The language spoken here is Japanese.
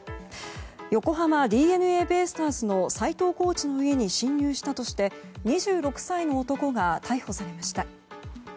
横浜ＤｅＮＡベイスターズの斎藤コーチの家に侵入したとして２６歳の男が逮捕されました。